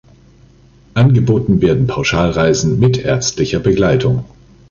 Angeboten werden Pauschalreisen mit ärztlicher Begleitung.